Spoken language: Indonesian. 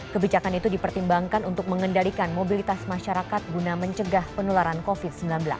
kebijakan itu dipertimbangkan untuk mengendalikan mobilitas masyarakat guna mencegah penularan covid sembilan belas